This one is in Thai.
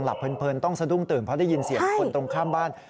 เพลินต้องสะดุ้งตื่นเพราะได้ยินเสียงคนตรงข้ามบ้าน